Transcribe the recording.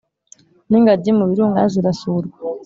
n’ingagi mu birunga zirasurwa